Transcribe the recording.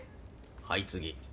はい次。